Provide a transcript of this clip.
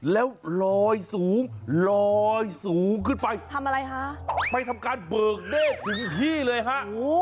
แล้วลอยสูงลอยสูงขึ้นไปไปทำการเบิกเด้นถึงที่เลยฮะ